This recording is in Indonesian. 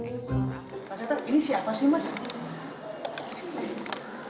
mas etes ini siapa sih mas